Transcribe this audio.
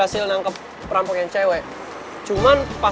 ini ya tuan putri minumannya